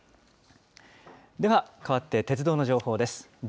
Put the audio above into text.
では、かわって鉄道の情報です。